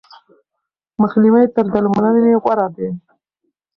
مخنیوی تر درملنې غوره دی.